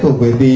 thuộc về ty